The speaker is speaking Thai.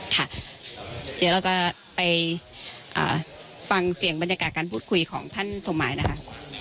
ค่ะเดี๋ยวเราจะไปฟังเสียงบรรยากาศการพูดคุยของท่านสมหมายนะคะ